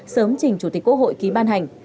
sớm trình chủ tịch quốc hội ký ban hành